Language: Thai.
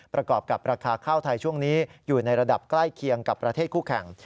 ประกอบกับราคาข้าวไทยช่วงนี้อยู่ในระดับใกล้เคียงกับประเทศคู่แข่ง